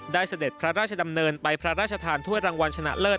เสด็จพระราชดำเนินไปพระราชทานถ้วยรางวัลชนะเลิศ